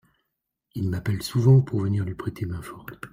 Il m'appelle souvent pour venir lui prêter main forte.